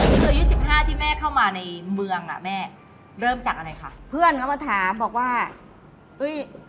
ก็คืออายุสิบห้าที่แม่เข้ามาในเมืองอ่ะแม่เริ่มจากอะไรคะเพื่อนเขามาถามบอกว่าเฮ้ย